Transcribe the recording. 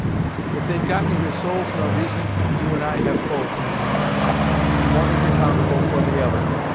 "If they've got neither souls nor reason, you and I have both, Henry March, and one is accountable for the other.